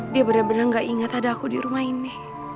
dia benar benar gak ingat ada aku di rumah ini